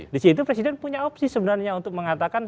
di situ presiden punya opsi sebenarnya untuk mengatakan